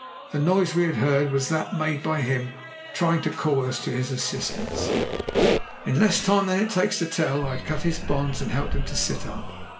The noise we had heard was that made by him trying to call us to his assistance._ In less time than it takes to tell I had cut his bonds and helped him to sit up.